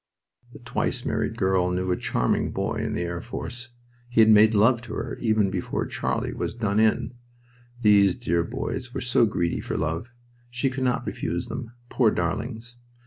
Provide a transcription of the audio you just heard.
The twice married girl knew a charming boy in the air force. He had made love to her even before Charlie was "done in." These dear boys were so greedy for love. She could not refuse them, poor darlings!